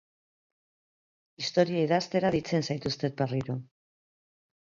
Historia idaztera deitzen zaituztet berriro.